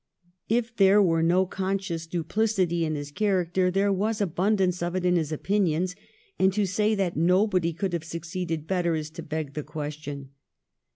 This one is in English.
If there were no conscious duplicity in his character, there was abundance of it in his opinions ; and to say that nobody could have succeeded better is to beg the ques tion.